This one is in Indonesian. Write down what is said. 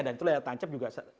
dan itu layar tancap juga